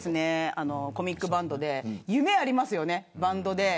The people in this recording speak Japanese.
コミックバンドで夢がありますよね。